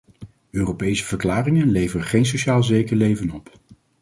Europese verklaringen leveren geen sociaal zeker leven op.